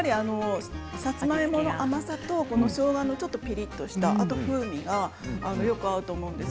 さつまいもの甘さとしょうがのピリっとした風味がよく合うと思うんです。